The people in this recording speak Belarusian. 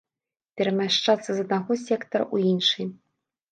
Перамяшчацца з аднаго сектара ў іншы.